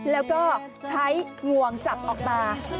แล้วก็ใช้งวงจับออกมา